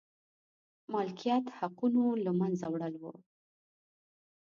مالکیت حقونو له منځه وړل و.